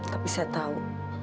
tapi saya tahu